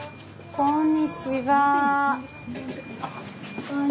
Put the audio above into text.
・こんにちは。